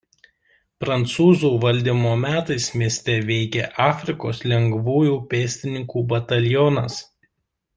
Prancūzų valdymo metais mieste veikė Afrikos lengvųjų pėstininkų batalionas.